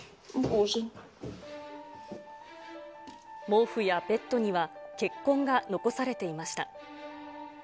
毛布やベッドには、血痕が残されていました。